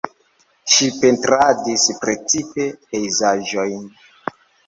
Ŝi pentradis precipe pejzaĝojn.